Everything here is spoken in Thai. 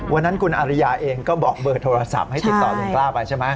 วันนั้นคุณอริยาเองก็บอกเบอร์โทรศัพท์ให้ติดต่อลุงกล้าไปใช่ไหม